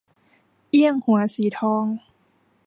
เอี้ยงหัวสีทอง